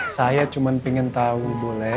saya cuma pengen tahu boleh